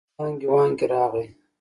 زانګې وانګې راغی.